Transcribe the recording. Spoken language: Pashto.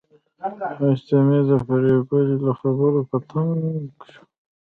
حشمتي د پريګلې له خبرو په تنګ شو